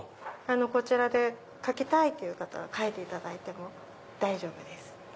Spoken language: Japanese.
こちらで描きたいっていう方描いていただいても大丈夫です。